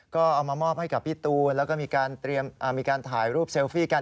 ก็เอามามอบให้กับพี่ตูนแล้วก็มีการถ่ายรูปเซลฟี่กัน